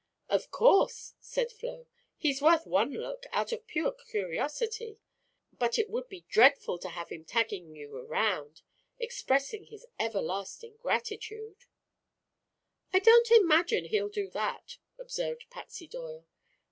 "Of course," said Flo. "He's worth one look, out of pure curiosity; but it would be dreadful to have him tagging you around, expressing his everlasting gratitude." "I don't imagine he'll do that," observed Patsy Doyle.